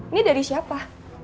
ini dari siapa